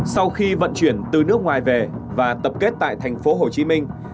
sau khi vận chuyển từ nước ngoài về và tập kết tại thành phố hồ chí minh